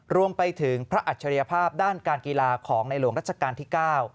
รวมไปถึงพระอัจฉริยภาพด้านการกีฬาของในหลวงรัชกาลที่๙